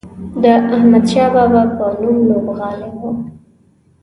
د احمدشاه بابا په نوم لوبغالی و.